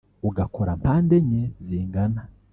ugakora mpande enye zingana